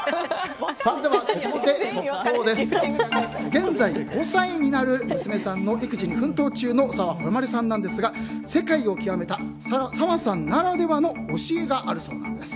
現在、５歳になる娘さんの育児に奮闘中の澤穂希さんなんですが世界を極めた澤さんならではの教えがあるそうなんです。